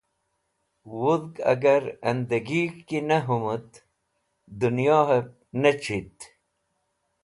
Wudhg agar ẽndẽgig̃h ki ne hũmit dẽnyob ne c̃hit,